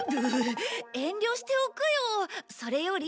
遠慮しておくよ。それより。